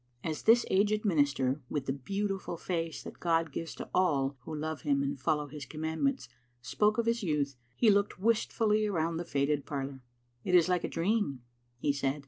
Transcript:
As this aged minister, with the beautiful face that God gives to all who love Him and follow His com mandments, spoke of his youth, he looked wistfully around the faded parlour. " It is like a dream," he said.